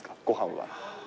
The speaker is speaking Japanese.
ごはんは。